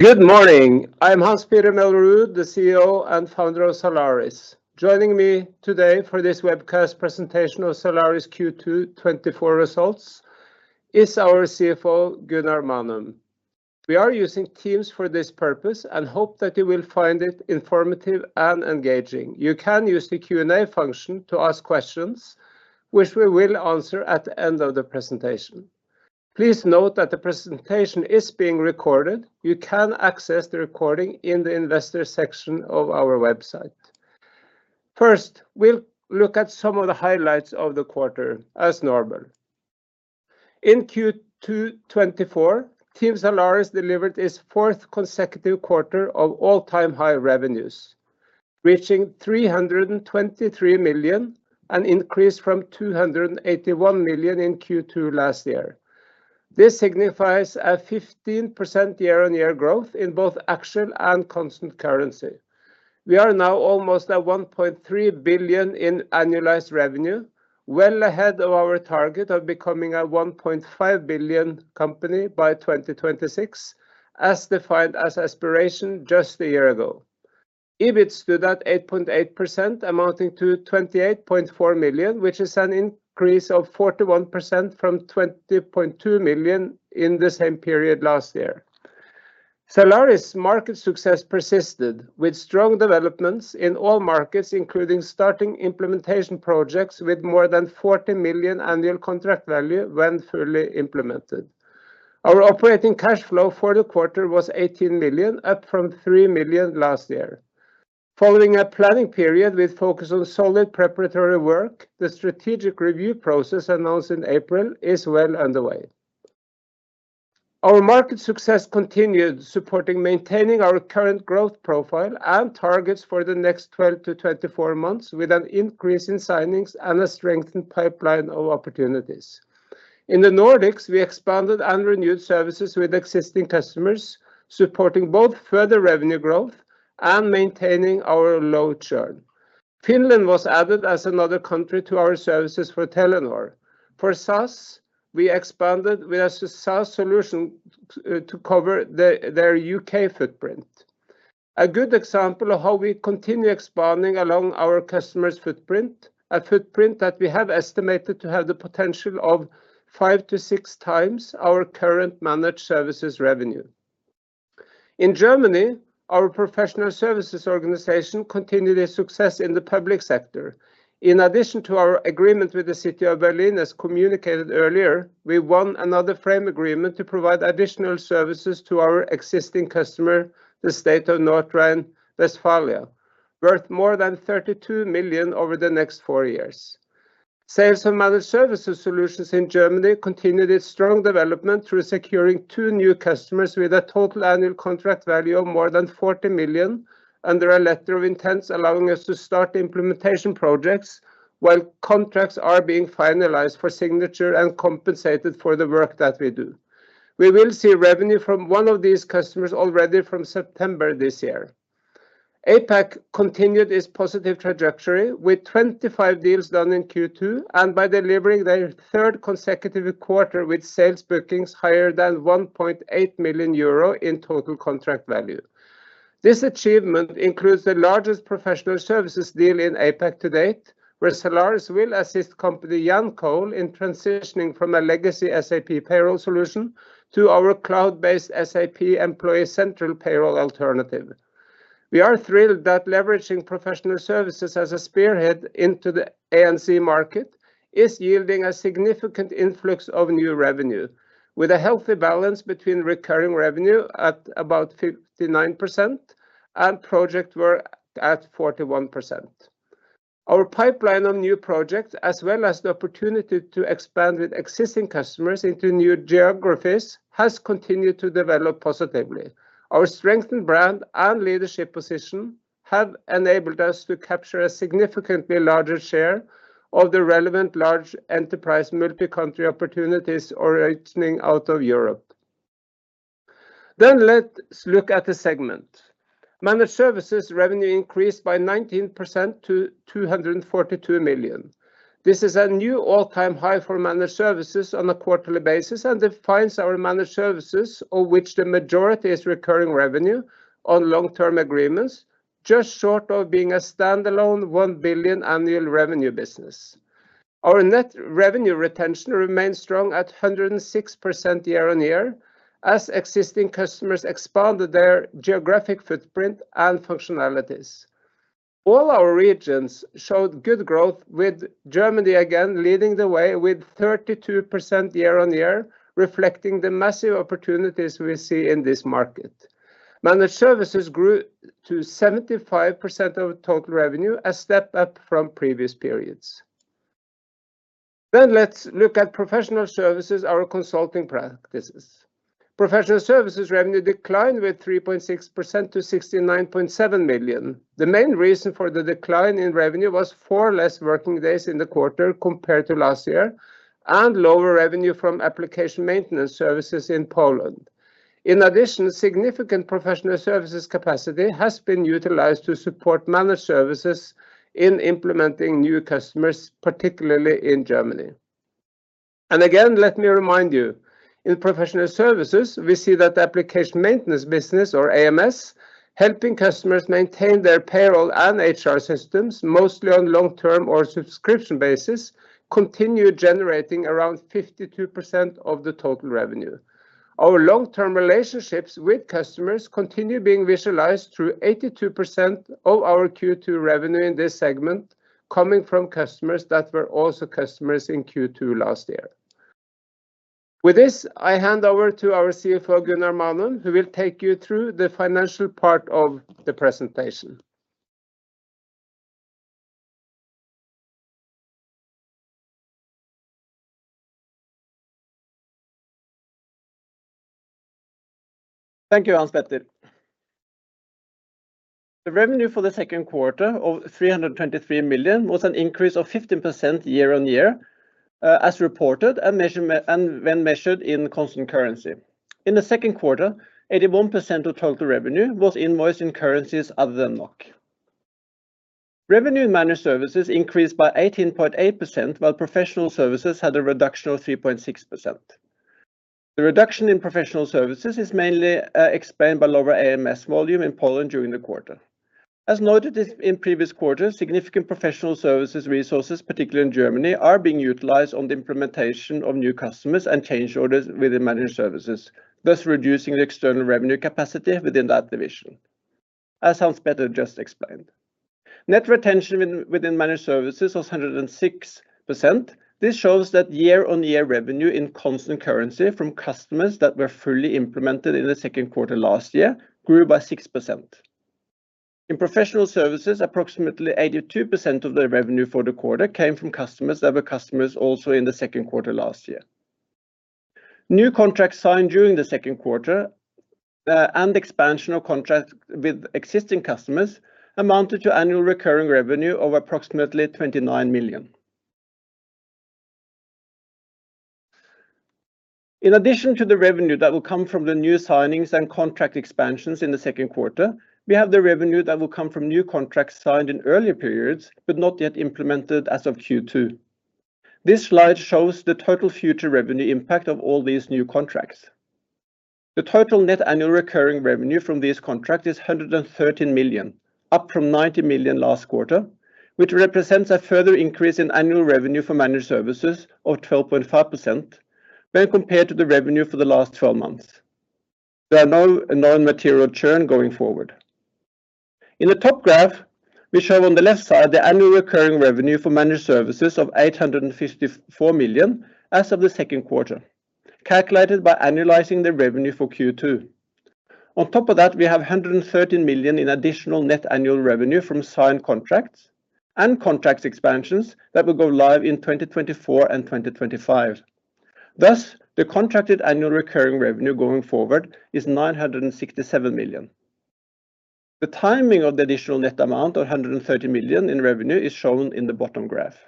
Good morning! I'm Hans-Petter Mellerud, the CEO and founder of Zalaris. Joining me today for this webcast presentation of Zalaris Q2 2024 results, is our CFO, Gunnar Manum. We are using Teams for this purpose and hope that you will find it informative and engaging. You can use the Q&A function to ask questions, which we will answer at the end of the presentation. Please note that the presentation is being recorded. You can access the recording in the investor section of our website. First, we'll look at some of the highlights of the quarter as normal. In Q2 2024, Team Zalaris delivered its fourth consecutive quarter of all-time high revenues, reaching 323 million, an increase from 281 million in Q2 last year. This signifies a 15% year-on-year growth in both actual and constant currency. We are now almost at 1.3 billion NOK in annualized revenue, well ahead of our target of becoming a 1.5 billion NOK company by 2026, as defined as aspiration just a year ago. EBIT stood at 8.8%, amounting to 28.4 million NOK, which is an increase of 41% from 20.2 million NOK in the same period last year. Zalaris market success persisted, with strong developments in all markets, including starting implementation projects with more than 40 million NOK annual contract value when fully implemented. Our operating cash flow for the quarter was 18 million NOK, up from 3 million NOK last year. Following a planning period with focus on solid preparatory work, the strategic review process announced in April is well underway. Our market success continued, supporting maintaining our current growth profile and targets for the next twelve to twenty-four months, with an increase in signings and a strengthened pipeline of opportunities. In the Nordics, we expanded and renewed services with existing customers, supporting both further revenue growth and maintaining our low churn. Finland was added as another country to our services for Telenor. For SaaS, we expanded with a SaaS solution to cover their UK footprint. A good example of how we continue expanding along our customer's footprint, a footprint that we have estimated to have the potential of five to six times our current managed services revenue. In Germany, our professional services organization continued a success in the public sector. In addition to our agreement with the City of Berlin, as communicated earlier, we won another frame agreement to provide additional services to our existing customer, the State of North Rhine-Westphalia, worth more than 32 million over the next four years. Sales and managed services solutions in Germany continued its strong development through securing two new customers, with a total annual contract value of more than 40 million, under a letter of intent, allowing us to start the implementation projects, while contracts are being finalized for signature and compensated for the work that we do. We will see revenue from one of these customers already from September this year. APAC continued its positive trajectory, with 25 deals done in Q2, and by delivering their third consecutive quarter, with sales bookings higher than 1.8 million euro in total contract value. This achievement includes the largest professional services deal in APAC to date, where Zalaris will assist Yancoal in transitioning from a legacy SAP payroll solution to our cloud-based SAP Employee Central Payroll alternative. We are thrilled that leveraging professional services as a spearhead into the APAC market is yielding a significant influx of new revenue, with a healthy balance between recurring revenue at about 59% and project work at 41%. Our pipeline of new projects, as well as the opportunity to expand with existing customers into new geographies, has continued to develop positively. Our strengthened brand and leadership position have enabled us to capture a significantly larger share of the relevant large enterprise multi-country opportunities originating out of Europe. Then, let's look at the segment. Managed services revenue increased by 19% to 242 million. This is a new all-time high for Managed Services on a quarterly basis and defines our Managed Services, of which the majority is recurring revenue on long-term agreements, just short of being a standalone 1 billion annual revenue business. Our Net Revenue Retention remains strong at 106% year-on-year, as existing customers expanded their geographic footprint and functionalities. All our regions showed good growth, with Germany again leading the way with 32% year-on-year, reflecting the massive opportunities we see in this market. Managed Services grew to 75% of total revenue, a step up from previous periods. Then let's look at Professional Services, our consulting practices. Professional Services revenue declined with 3.6% to 69.7 million. The main reason for the decline in revenue was four less working days in the quarter compared to last year, and lower revenue from application maintenance services in Poland. In addition, significant professional services capacity has been utilized to support managed services in implementing new customers, particularly in Germany. And again, let me remind you, in professional services, we see that the application maintenance business or AMS, helping customers maintain their payroll and HR systems, mostly on long-term or subscription basis, continue generating around 52% of the total revenue. Our long-term relationships with customers continue being visualized through 82% of our Q2 revenue in this segment, coming from customers that were also customers in Q2 last year. With this, I hand over to our CFO, Gunnar Manum, who will take you through the financial part of the presentation. Thank you, Hans-Petter. The revenue for the second quarter of 323 million was an increase of 15% year on year, as reported and when measured in constant currency. In the second quarter, 81% of total revenue was invoiced in currencies other than NOK. Revenue in managed services increased by 18.8%, while professional services had a reduction of 3.6%. The reduction in professional services is mainly explained by lower AMS volume in Poland during the quarter. As noted in previous quarters, significant professional services resources, particularly in Germany, are being utilized on the implementation of new customers and change orders within managed services, thus reducing the external revenue capacity within that division, as Hans-Petter just explained. Net retention within managed services was 106%. This shows that year-on-year revenue in constant currency from customers that were fully implemented in the second quarter last year grew by 6%. In professional services, approximately 82% of the revenue for the quarter came from customers that were customers also in the second quarter last year. New contracts signed during the second quarter and expansion of contracts with existing customers amounted to annual recurring revenue of approximately 29 million NOK. In addition to the revenue that will come from the new signings and contract expansions in the second quarter, we have the revenue that will come from new contracts signed in earlier periods, but not yet implemented as of Q2. This slide shows the total future revenue impact of all these new contracts. The total net annual recurring revenue from this contract is 113 million, up from 90 million last quarter, which represents a further increase in annual revenue for managed services of 12.5% when compared to the revenue for the last twelve months. There are no non-material churn going forward. In the top graph, we show on the left side the annual recurring revenue for managed services of 854 million as of the second quarter, calculated by annualizing the revenue for Q2. On top of that, we have 113 million in additional net annual revenue from signed contracts and contracts expansions that will go live in 2024 and 2025. Thus, the contracted annual recurring revenue going forward is 967 million. The timing of the additional net amount of 130 million in revenue is shown in the bottom graph.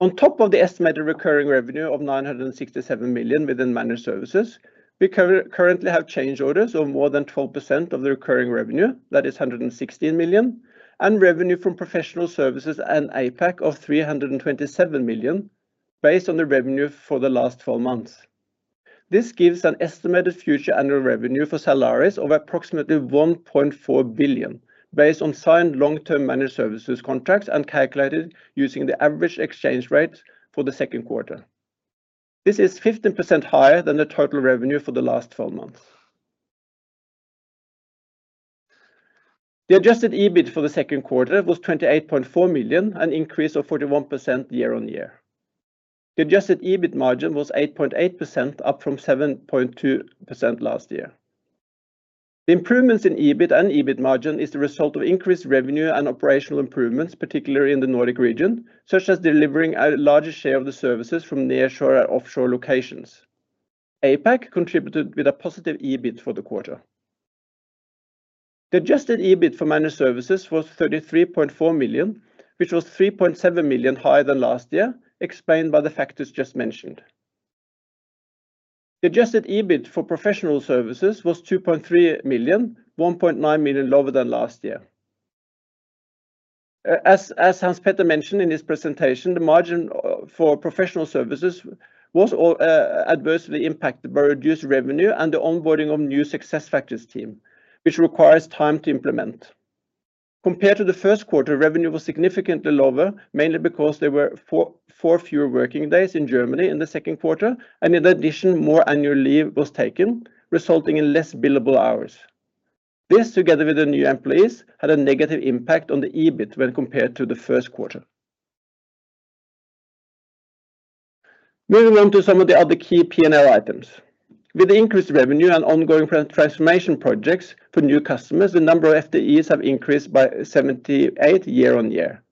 On top of the estimated recurring revenue of 967 million within managed services, we currently have change orders of more than 12% of the recurring revenue. That is 116 million, and revenue from professional services and APAC of 327 million, based on the revenue for the last four months. This gives an estimated future annual revenue for Zalaris of approximately 1.4 billion, based on signed long-term managed services contracts and calculated using the average exchange rate for the second quarter. This is 15% higher than the total revenue for the last four months. The adjusted EBIT for the second quarter was 28.4 million, an increase of 41% year on year. The adjusted EBIT margin was 8.8%, up from 7.2% last year. The improvements in EBIT and EBIT margin is the result of increased revenue and operational improvements, particularly in the Nordic region, such as delivering a larger share of the services from nearshore and offshore locations. APAC contributed with a positive EBIT for the quarter. The adjusted EBIT for managed services was 33.4 million, which was 3.7 million higher than last year, explained by the factors just mentioned. The adjusted EBIT for professional services was 2.3 million, 1.9 million lower than last year. As Hans-Petter mentioned in his presentation, the margin for professional services was adversely impacted by reduced revenue and the onboarding of new SuccessFactors team, which requires time to implement. Compared to the first quarter, revenue was significantly lower, mainly because there were four fewer working days in Germany in the second quarter, and in addition, more annual leave was taken, resulting in less billable hours. This, together with the new employees, had a negative impact on the EBIT when compared to the first quarter. Moving on to some of the other key P&L items. With the increased revenue and ongoing transformation projects for new customers, the number of FTEs have increased by 78 year on year.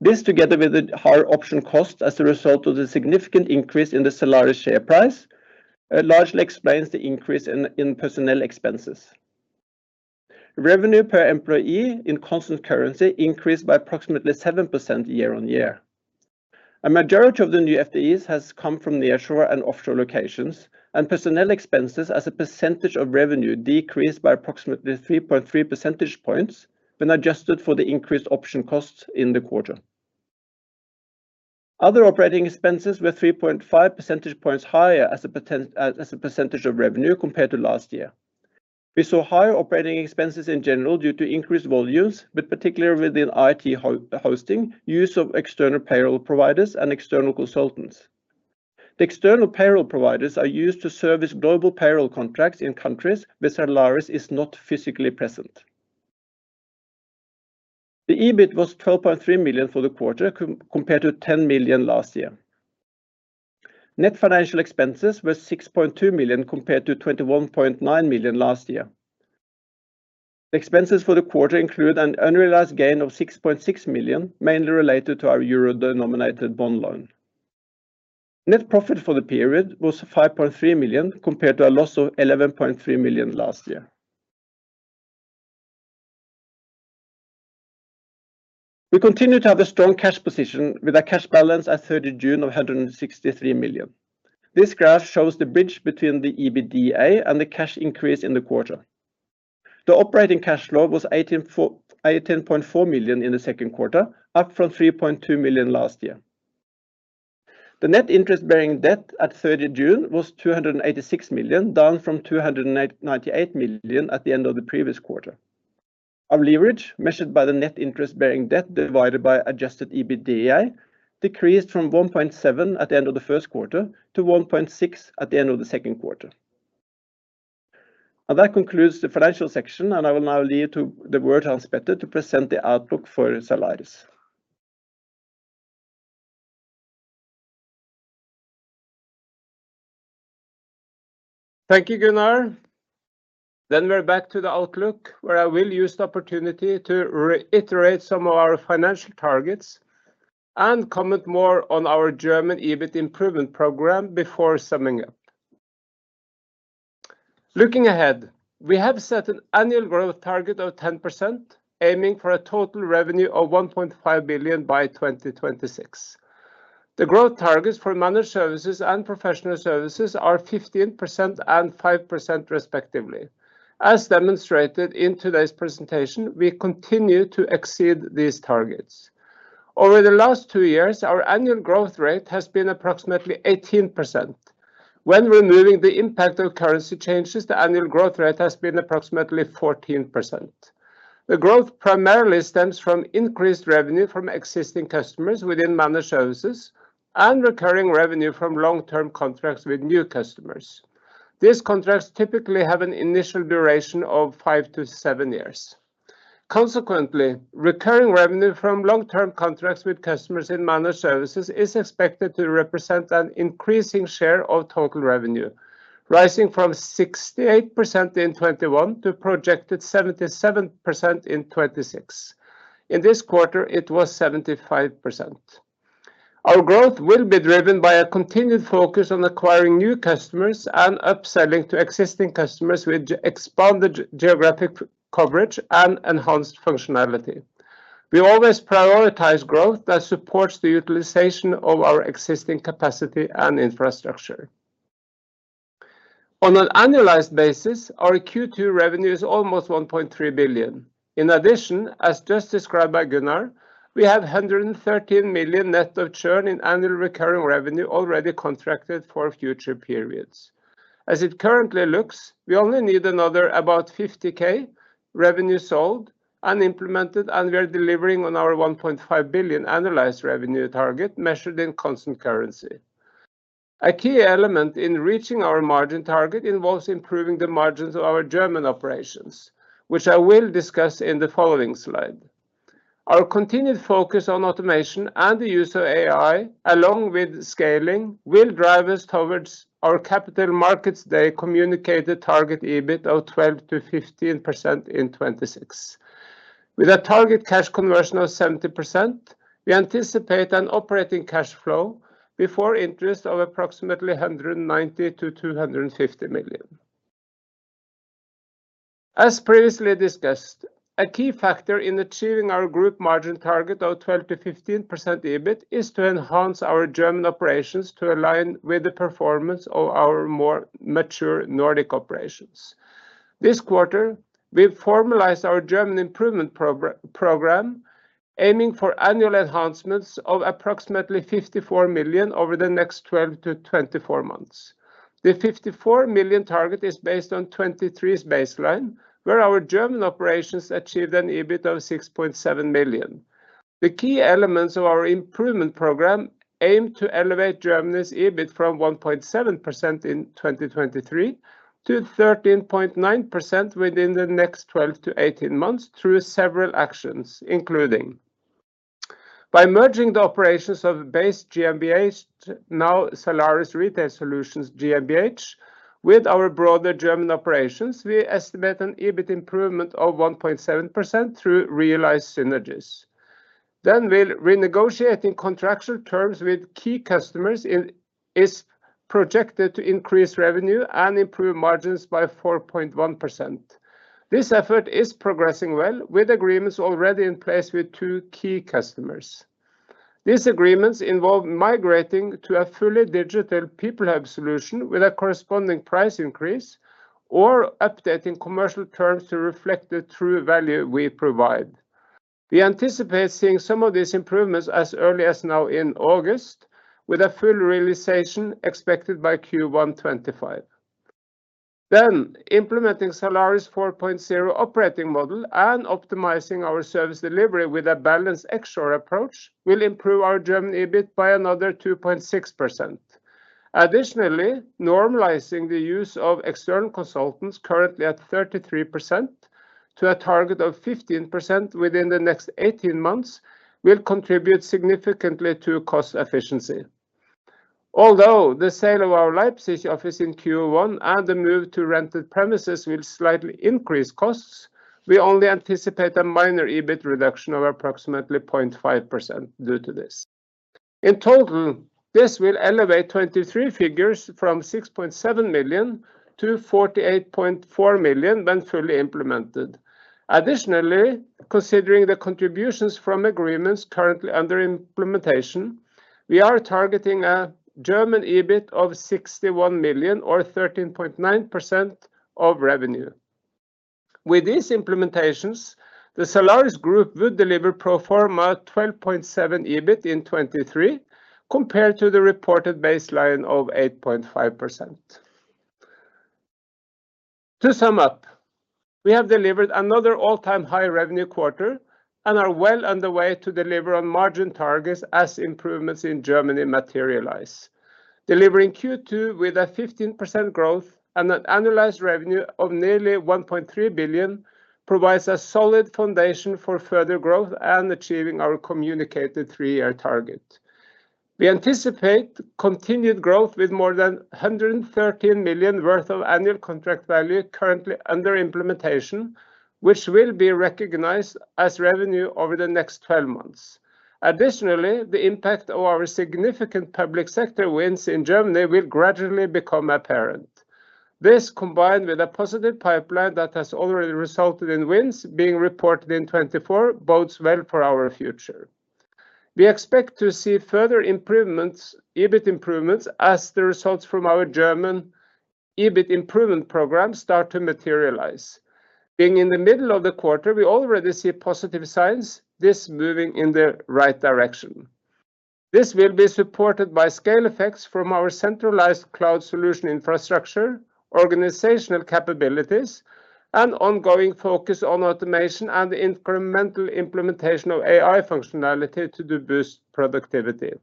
This, together with the higher option cost as a result of the significant increase in the Zalaris share price, largely explains the increase in personnel expenses. Revenue per employee in constant currency increased by approximately 7% year on year. A majority of the new FTEs has come from nearshore and offshore locations, and personnel expenses as a percentage of revenue decreased by approximately 3.3 percentage points when adjusted for the increased option costs in the quarter. Other operating expenses were 3.5 percentage points higher as a percentage of revenue compared to last year. We saw higher operating expenses in general, due to increased volumes, but particularly within IT hosting, use of external payroll providers, and external consultants. The external payroll providers are used to service global payroll contracts in countries where Zalaris is not physically present. The EBIT was 12.3 million NOK for the quarter compared to 10 million NOK last year. Net financial expenses were 6.2 million NOK, compared to 21.9 million NOK last year. Expenses for the quarter include an unrealized gain of 6.6 million, mainly related to our euro-denominated bond loan. Net profit for the period was 5.3 million, compared to a loss of 11.3 million last year. We continue to have a strong cash position, with a cash balance at 30 June of 163 million. This graph shows the bridge between the EBITDA and the cash increase in the quarter. The operating cash flow was 18.4 million in the second quarter, up from 3.2 million last year. The net interest-bearing debt at 30 June was 286 million, down from 298 million at the end of the previous quarter. Our leverage, measured by the net interest-bearing debt divided by adjusted EBITDA, decreased from 1.7 at the end of the first quarter to 1.6 at the end of the second quarter. That concludes the financial section, and I will now hand the word to Hans-Petter Mellerud to present the outlook for Zalaris. Thank you, Gunnar. Then we're back to the outlook, where I will use the opportunity to re-iterate some of our financial targets and comment more on our German EBIT improvement program before summing up. Looking ahead, we have set an annual growth target of 10%, aiming for a total revenue of 1.5 billion by 2026. The growth targets for managed services and professional services are 15% and 5% respectively. As demonstrated in today's presentation, we continue to exceed these targets. Over the last two years, our annual growth rate has been approximately 18%. When removing the impact of currency changes, the annual growth rate has been approximately 14%. The growth primarily stems from increased revenue from existing customers within managed services and recurring revenue from long-term contracts with new customers. These contracts typically have an initial duration of five to seven years. Consequently, recurring revenue from long-term contracts with customers in managed services is expected to represent an increasing share of total revenue, rising from 68% in 2021 to projected 77% in 2026. In this quarter, it was 75%. Our growth will be driven by a continued focus on acquiring new customers and upselling to existing customers with expanded geographic coverage and enhanced functionality. We always prioritize growth that supports the utilization of our existing capacity and infrastructure. On an annualized basis, our Q2 revenue is almost 1.3 billion. In addition, as just described by Gunnar, we have 113 million net of churn in annual recurring revenue already contracted for future periods. As it currently looks, we only need another about 50 K revenue sold and implemented, and we are delivering on our 1.5 billion annualized revenue target, measured in constant currency. A key element in reaching our margin target involves improving the margins of our German operations, which I will discuss in the following slide. Our continued focus on automation and the use of AI, along with scaling, will drive us towards our capital markets day communicated target EBIT of 12%-15% in 2026. With a target cash conversion of 70%, we anticipate an operating cash flow before interest of approximately 190-250 million. As previously discussed, a key factor in achieving our group margin target of 12%-15% EBIT is to enhance our German operations to align with the performance of our more mature Nordic operations. This quarter, we've formalized our German improvement program, aiming for annual enhancements of approximately 54 million over the next 12-24 months. The 54 million target is based on 2023's baseline, where our German operations achieved an EBIT of 6.7 million. The key elements of our improvement program aim to elevate Germany's EBIT from 1.7% in 2023 to 13.9% within the next 12-18 months through several actions, including by merging the operations of BaSE GmbH, now Zalaris Retail Solutions GmbH, with our broader German operations, we estimate an EBIT improvement of 1.7% through realized synergies, then we're renegotiating contractual terms with key customers is projected to increase revenue and improve margins by 4.1%. This effort is progressing well, with agreements already in place with two key customers. These agreements involve migrating to a fully digital peopleHub solution with a corresponding price increase or updating commercial terms to reflect the true value we provide. We anticipate seeing some of these improvements as early as now in August, with a full realization expected by Q1 2025. Then implementing Zalaris 4.0 operating model and optimizing our service delivery with a balanced offshore approach will improve our German EBIT by another 2.6%. Additionally, normalizing the use of external consultants, currently at 33%, to a target of 15% within the next 18 months, will contribute significantly to cost efficiency. Although the sale of our Leipzig office in Q1 and the move to rented premises will slightly increase costs, we only anticipate a minor EBIT reduction of approximately 0.5% due to this. In total, this will elevate 23 figures from 6.7 million to 48.4 million when fully implemented. Additionally, considering the contributions from agreements currently under implementation, we are targeting a German EBIT of 61 million or 13.9% of revenue. With these implementations, the Zalaris group would deliver pro forma 12.7% EBIT in 2023, compared to the reported baseline of 8.5%. To sum up, we have delivered another all-time high revenue quarter and are well on the way to deliver on margin targets as improvements in Germany materialize. Delivering Q2 with a 15% growth and an annualized revenue of nearly 1.3 billion provides a solid foundation for further growth and achieving our communicated three-year target. We anticipate continued growth with more than 113 million worth of annual contract value currently under implementation, which will be recognized as revenue over the next twelve months. Additionally, the impact of our significant public sector wins in Germany will gradually become apparent. This, combined with a positive pipeline that has already resulted in wins being reported in 2024, bodes well for our future. We expect to see further improvements, EBIT improvements, as the results from our German EBIT improvement program start to materialize. Being in the middle of the quarter, we already see positive signs, this moving in the right direction. This will be supported by scale effects from our centralized cloud solution infrastructure, organizational capabilities, and ongoing focus on automation and incremental implementation of AI functionality to boost productivity.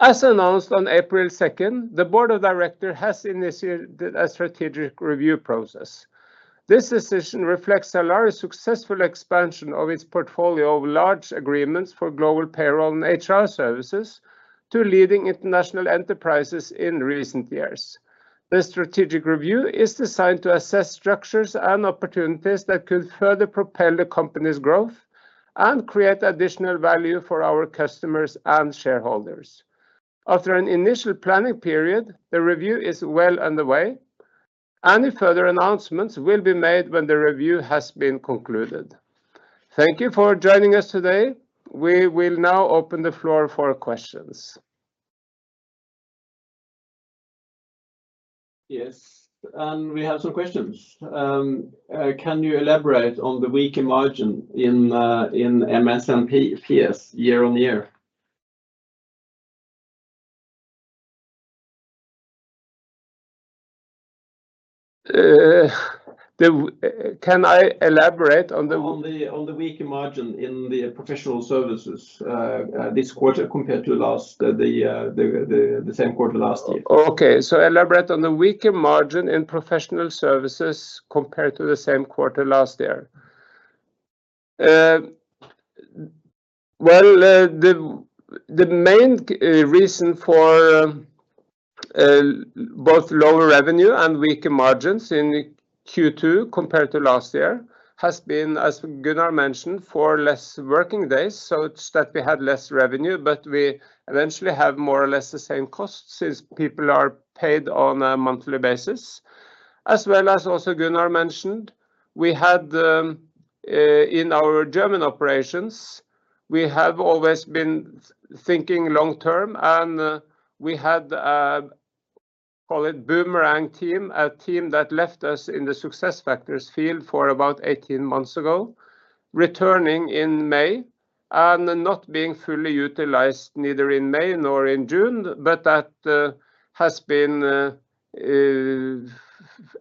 As announced on April second, the board of directors has initiated a strategic review process. This decision reflects Zalaris' successful expansion of its portfolio of large agreements for global payroll and HR services to leading international enterprises in recent years. The strategic review is designed to assess structures and opportunities that could further propel the company's growth and create additional value for our customers and shareholders. After an initial planning period, the review is well underway. Any further announcements will be made when the review has been concluded. Thank you for joining us today. We will now open the floor for questions. Yes, and we have some questions. Can you elaborate on the weaker margin in MSM, PS year on year? Can I elaborate on the- On the weaker margin in the professional services this quarter compared to the same quarter last year. Okay. So elaborate on the weaker margin in Professional Services compared to the same quarter last year. The main reason for both lower revenue and weaker margins in Q2 compared to last year has been, as Gunnar mentioned, for less working days. It's that we had less revenue, but we eventually have more or less the same cost, since people are paid on a monthly basis. As well as also Gunnar mentioned, we had in our German operations, we have always been thinking long term, and we had call it boomerang team, a team that left us in the SuccessFactors field for about eighteen months ago, returning in May and not being fully utilized neither in May nor in June, but that has been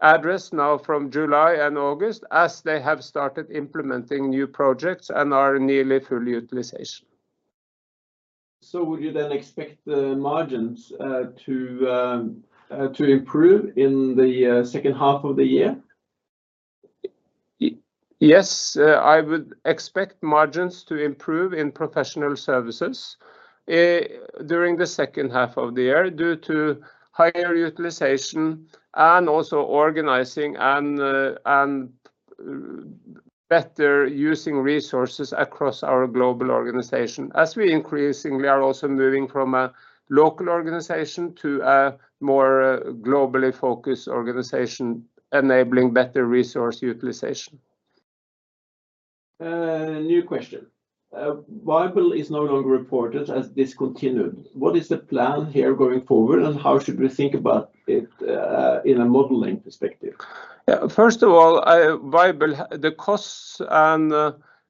addressed now from July and August, as they have started implementing new projects and are nearly fully utilized. So would you then expect the margins to improve in the second half of the year? Yes, I would expect margins to improve in professional services during the second half of the year, due to higher utilization and also organizing and better using resources across our global organization, as we increasingly are also moving from a local organization to a more globally focused organization, enabling better resource utilization. New question. Vyable is no longer reported as discontinued. What is the plan here going forward, and how should we think about it in a modeling perspective? Yeah, first of all, Vyable, the costs and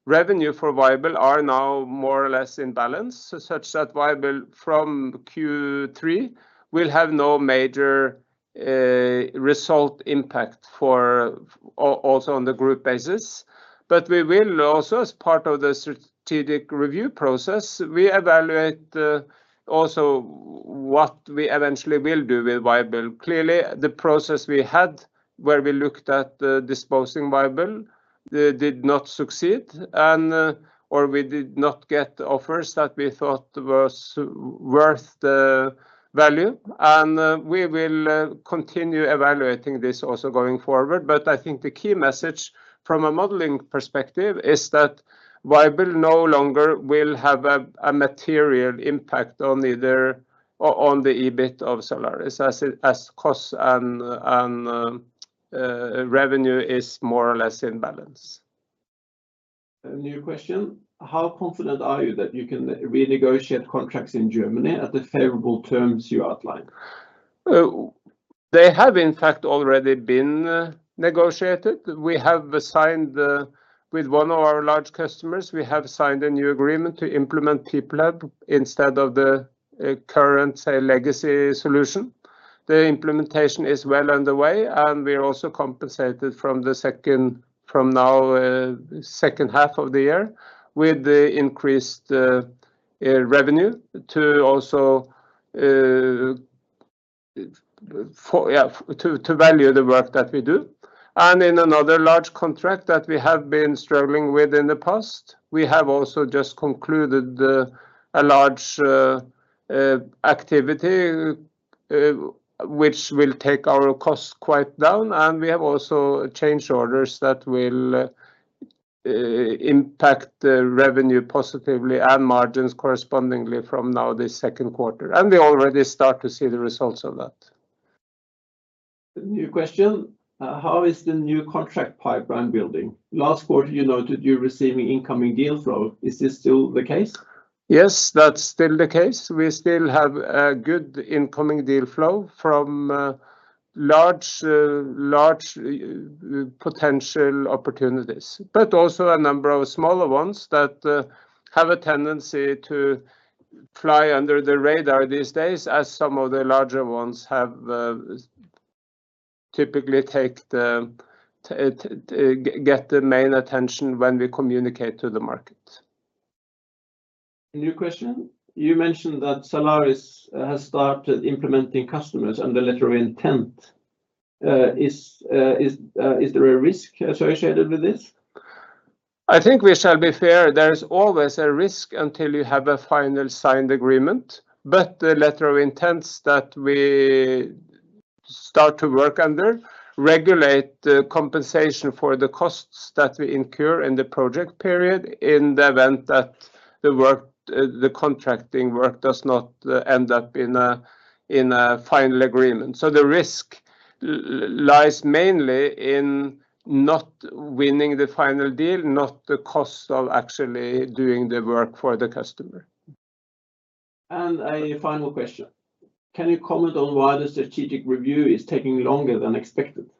revenue for Vyable are now more or less in balance, such that Vyable from Q3 will have no major result impact for also on the group basis. But we will also, as part of the strategic review process, we evaluate also what we eventually will do with Vyable. Clearly, the process we had, where we looked at disposing Vyable, did not succeed, and or we did not get offers that we thought was worth the value, and we will continue evaluating this also going forward. But I think the key message from a modeling perspective is that Vyable no longer will have a material impact on the EBIT of Zalaris, as costs and revenue is more or less in balance. A new question: How confident are you that you can renegotiate contracts in Germany at the favorable terms you outline? They have, in fact, already been negotiated. We have signed with one of our large customers a new agreement to implement PeopleHub instead of the current, say, legacy solution. The implementation is well underway, and we are also compensated from now, second half of the year, with the increased revenue to also for, yeah, to value the work that we do. And in another large contract that we have been struggling with in the past, we have also just concluded a large activity, which will take our costs quite down, and we have also changed orders that will impact the revenue positively and margins correspondingly from now, the second quarter, and we already start to see the results of that. A new question: How is the new contract pipeline building? Last quarter, you noted you're receiving incoming deal flow. Is this still the case? Yes, that's still the case. We still have a good incoming deal flow from large potential opportunities, but also a number of smaller ones that have a tendency to fly under the radar these days, as some of the larger ones have typically get the main attention when we communicate to the market. A new question: You mentioned that Zalaris has started implementing customers under letter of intent. Is there a risk associated with this? I think we shall be fair. There is always a risk until you have a final signed agreement, but the letter of intents that we start to work under regulate the compensation for the costs that we incur in the project period, in the event that the work, the contracting work does not end up in a final agreement. So the risk lies mainly in not winning the final deal, not the cost of actually doing the work for the customer. A final question: Can you comment on why the strategic review is taking longer than expected?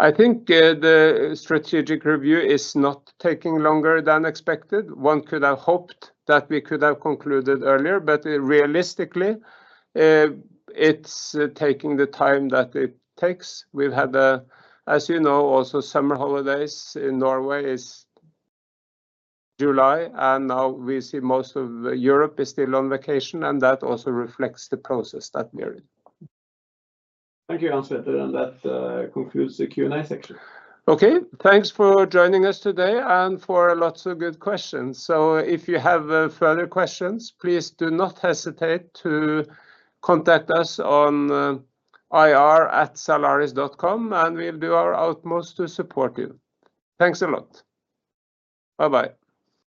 I think the strategic review is not taking longer than expected. One could have hoped that we could have concluded earlier, but realistically, it's taking the time that it takes. We've had, as you know, also summer holidays in Norway is July, and now we see most of Europe is still on vacation, and that also reflects the process that we're in. Thank you, Hans-Petter, and that concludes the Q&A section. Okay, thanks for joining us today and for lots of good questions. So if you have further questions, please do not hesitate to contact us on ir@zalaris.com, and we'll do our utmost to support you. Thanks a lot. Bye-bye!